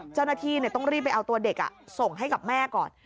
เจ้าหน้าที่ต้องรีบไปเอาตัวเด็กส่งให้กับแม่ก่อน